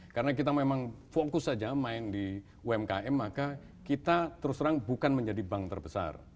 karena kita memang fokus saja main di umkm maka kita terus terang bukan menjadi bank terbesar